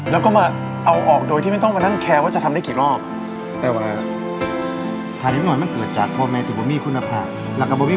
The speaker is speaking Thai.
แล้วก็มาเอาออกโดยที่ไม่ต้องมานั่งแคว่าจะทำได้กี่รอบแต่ว่างานของหมายเกิดมากระตุ่มเป็นปัญหาสังคมอยู่ดี